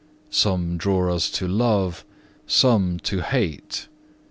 Some draw us to love, some to hate.